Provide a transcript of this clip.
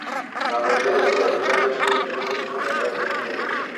La mayoría de los hallazgos pertenecen a la edad de piedra.